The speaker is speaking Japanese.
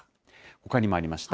ほかにもありました。